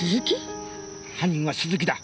犯人は鈴木だ。